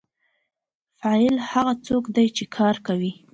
فاعل هغه څوک دی چې کار کوي.